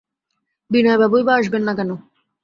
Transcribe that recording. বিনয়বাবুই বা আসবেন না কেন?